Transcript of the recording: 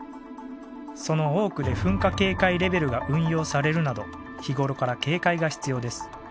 その多くで噴火警戒レベルが運用されるなど日頃から警戒が必要です。